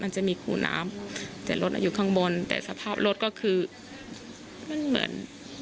มันจะมีขู่น้ำแต่รถอยู่ข้างบนแต่สภาพรถก็คือมันเหมือน